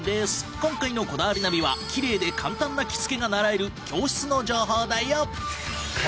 今回の『こだわりナビ』はキレイで簡単な着付けが習える教室の情報だよ。